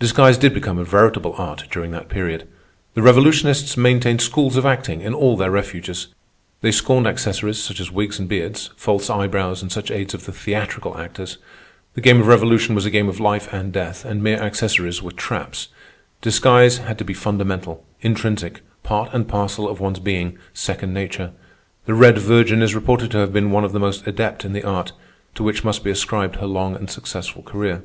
Disguise did become a veritable art during that period. The revolutionists maintained schools of acting in all their refuges. They scorned accessories, such as wigs and beards, false eyebrows, and such aids of the theatrical actors. The game of revolution was a game of life and death, and mere accessories were traps. Disguise had to be fundamental, intrinsic, part and parcel of one's being, second nature. The Red Virgin is reported to have been one of the most adept in the art, to which must be ascribed her long and successful career.